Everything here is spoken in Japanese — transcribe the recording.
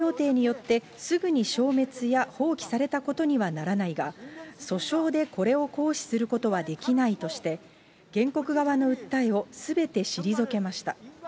きょうの裁判でソウル中央地裁は、個人請求権が日韓の請求権協定によってすぐに消滅や放棄されたことにはならないが、訴訟でこれを行使することはできないとして、原告側の訴えをすべて退けました。